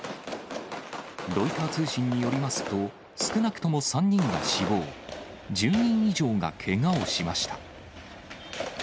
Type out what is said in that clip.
ロイター通信によりますと、少なくとも３人が死亡、１０人以上がけがをしました。